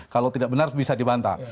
kalau tidak benar bisa dibantah